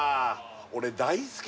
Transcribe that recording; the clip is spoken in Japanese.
俺大好き